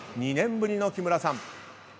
２年ぶりの木村さん。